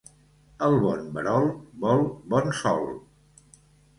El bon verol vol bon sol.